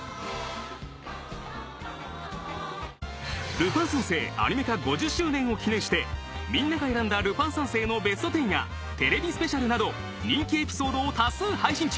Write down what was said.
『ルパン三世』アニメ化５０周年を記念してみんなが選んだ『ルパン三世』のベストテンやＴＶスペシャルなど人気エピソードを多数配信中！